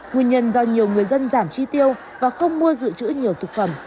nguyên nhân do nhiều người dân giảm chi tiêu và không mua dự trữ nhiều thực phẩm